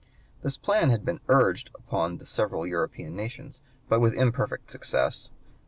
This plan had been urged upon the several European nations, but with imperfect success.